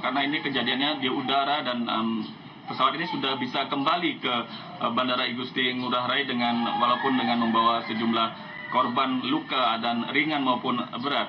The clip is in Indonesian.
karena ini kejadiannya di udara dan pesawat ini sudah bisa kembali ke bandara igusti ngurah rai walaupun dengan membawa sejumlah korban luka dan ringan maupun berat